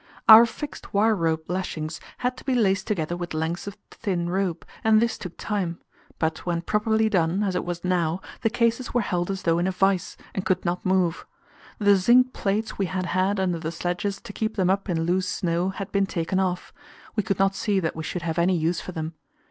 Our fixed wire rope lashings had to be laced together with lengths of thin rope, and this took time; but when properly done, as it was now, the cases were held as though in a vice, and could not move. The zinc plates we had had under the sledges to keep them up in loose snow had been taken off; we could not see that we should have any use for them.